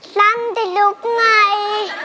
สั้นที่สุดไง